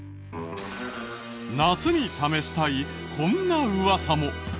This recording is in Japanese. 夏に試したいこんなウワサも。